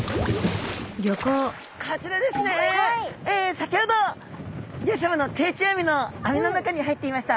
先ほど漁師さまの定置網の網の中に入っていました